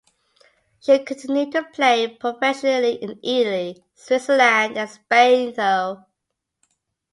She continued to play professionally in Italy, Switzerland, and Spain though.